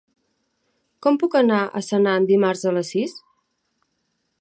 Com puc anar a Senan dimarts a les sis?